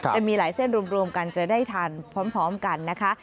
จะมีหลายเส้นรวมกันจะได้ทานพร้อมกันนะคะ